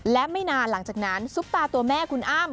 และไม่นานหลังจากนั้นซุปตาตัวแม่คุณอ้ำ